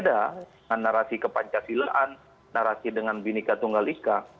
dengan narasi ke pancasilaan narasi dengan binika tunggal ika